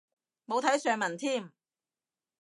冇睇上文添